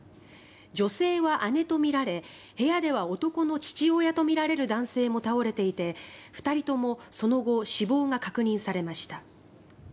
女性は姉とみられ、部屋では男の父親とみられる男性も倒れていて、２人ともその後、死亡が確認されました。